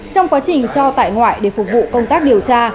trong quá trình cho tại ngoại để phục vụ công tác điều tra